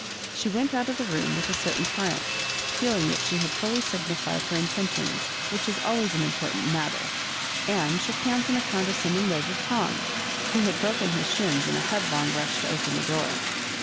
She went out of the room with a certain triumph, feeUng that she had fully signified her intentions, which is always an im portant matter ; and shook hands in a con descending way with Tom, who had broken his shins in a headlong rush to open the door.